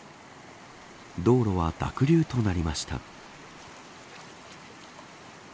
道路は濁流となりました。